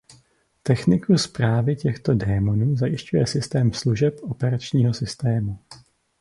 Techniku správy těchto démonů zajišťuje systém služeb operačního systému.